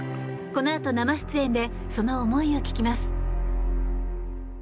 このあと生出演でその思いを聞きます。